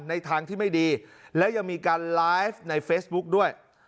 ในทางที่ไม่ดีแล้วยังมีการไลฟ์ในเฟซบุ๊กด้วย